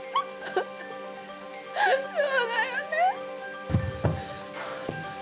そうだよね。